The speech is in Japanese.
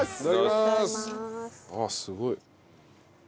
すごい。